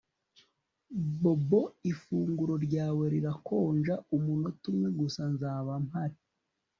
Bobo ifunguro ryawe rirakonja Umunota umwe gusa Nzaba mpari